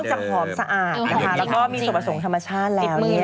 จะหอมสะอาดนะคะแล้วก็มีส่วนผสมธรรมชาติแล้ว